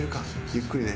ゆっくりね。